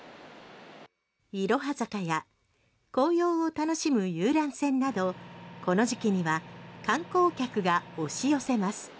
いろは坂や紅葉を楽しむ遊覧船などこの時期には観光客が押し寄せます。